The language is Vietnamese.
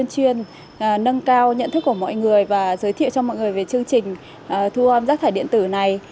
chuyên nâng cao nhận thức của mọi người và giới thiệu cho mọi người về chương trình thu âm rác thải điện tử này